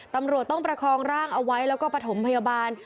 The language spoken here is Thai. ตำรวจต้องประคองร่างเอาไว้แล้วก็ประถมพยาบาล